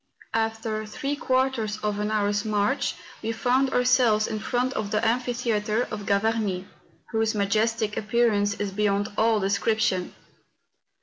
After three quarters of an hour's march we found our¬ selves in front of the amphitheatre of Gavarnie, whose majestic appearance is beyond all description.